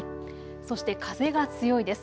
そして風が強いです。